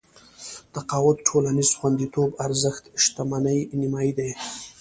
تقاعد ټولنيز خونديتوب ارزښت شتمنۍ نيمايي دي.